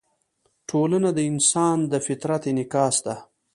ټولنه د انسان د فطرت انعکاس ده.